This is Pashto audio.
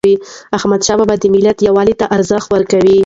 احمدشاه بابا د ملت یووالي ته ارزښت ورکاوه.